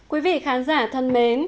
quý vị khán giả thân mến